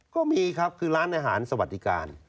ก็มีครับคือร้านอาหารสวัสดิการ